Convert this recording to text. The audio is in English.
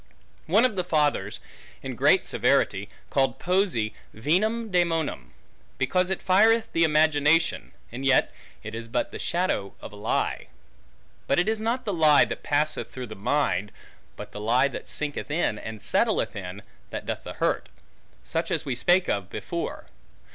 One of the fathers, in great severity, called poesy vinum daemonum, because it fireth the imagination; and yet, it is but with the shadow of a lie. But it is not the lie that passeth through the mind, but the lie that sinketh in, and settleth in it, that doth the hurt; such as we spake of before.